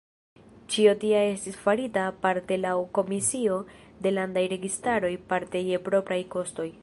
Ĉio tia estis farita parte laŭ komisio de landaj registaroj parte je propraj kostoj.